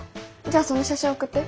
じゃその写真送って。